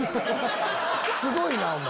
すごいなお前。